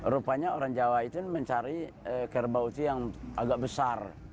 rupanya orang jawa itu mencari kerbau yang agak besar